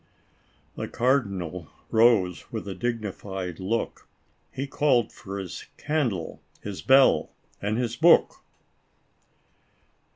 \'" The Cardinal rose with a dignified look, He called for his candle, his bell and his book